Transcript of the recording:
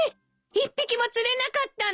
１匹も釣れなかったの？